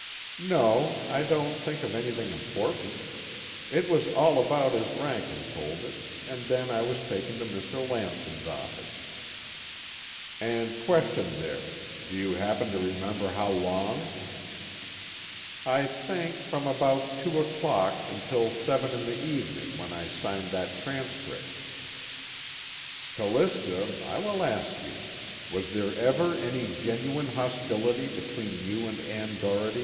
"No, I don't think of anything important. It was all about as Rankin told it, and then I was taken to Mr. Lamson's office." "And questioned there do you happen to remember how long?" "I think, from about two o'clock until seven in the evening, when I signed that transcript." "Callista, I will ask you: was there ever any genuine hostility between you and Ann Doherty?"